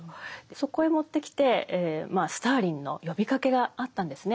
そこへもってきてスターリンの呼びかけがあったんですね。